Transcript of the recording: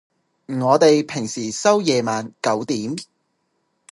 我哋平時收夜晚九點